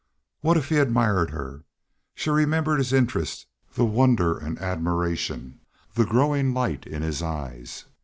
What if he admired her? She remembered his interest, the wonder and admiration, the growing light in his eyes.